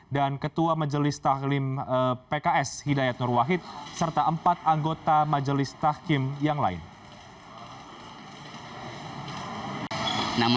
dan ketua majelis tahlim pks hidayat nur wahid serta empat anggota majelis tahkim yang lain